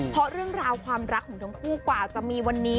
เพราะเรื่องราวความรักของทั้งคู่กว่าจะมีวันนี้